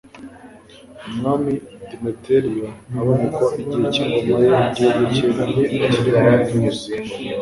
umwami demetiriyo abonye ko igihe cy'ingoma ye igihugu cye kiri mu ituze